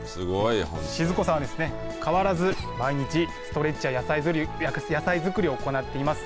静子さんは変わらず毎日ストレッチや野菜づくりを行っています。